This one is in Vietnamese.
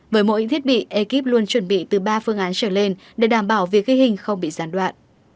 với mỗi thiết bị ekip luôn chuẩn bị từ ba phương án trở lên để đảm bảo việc ghi hình không bị gián đoạn